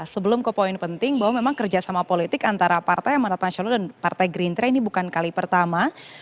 sebelum ke poin penting bahwa memang kerjasama politik antara partai amanat nasional dan partai gerindra ini bukan kali pertama